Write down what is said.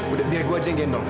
udah biar gue aja yang gendong